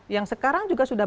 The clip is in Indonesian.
yang sekarang juga sudah